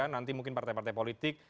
nanti mungkin partai partai politik